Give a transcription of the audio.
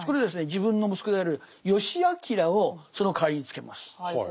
自分の息子である義詮をその代わりにつけます。